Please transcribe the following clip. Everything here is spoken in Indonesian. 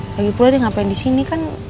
lagipula dia ngapain disini kan